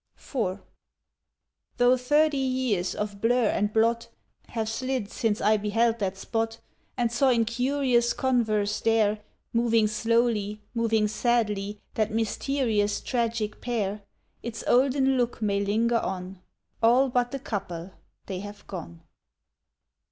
IV Though thirty years of blur and blot Have slid since I beheld that spot, And saw in curious converse there Moving slowly, moving sadly That mysterious tragic pair, Its olden look may linger on— All but the couple; they have gone.